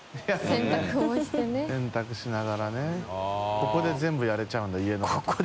ここで全部やれちゃうんだ家のこと。